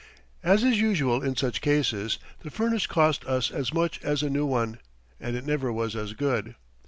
As is usual in such cases, the furnace cost us as much as a new one, and it never was as good.